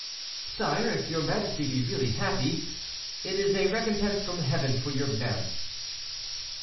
"Sire, if your majesty be really happy, it is a recompense from Heaven for your merits."